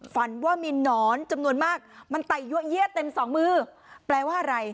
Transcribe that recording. ฝันว่ามีหนอนจำนวนมากมันไต่ยั่วเยียดเต็มสองมือแปลว่าอะไร